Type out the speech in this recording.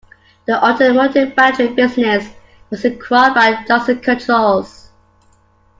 The automotive battery business was acquired by Johnson Controls.